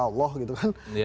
loh gitu kan